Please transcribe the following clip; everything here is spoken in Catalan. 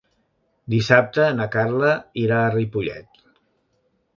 Dissabte na Carla irà a Ripollet.